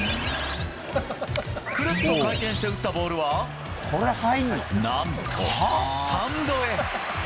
くるっと回転して打ったボールは何とスタンドへ。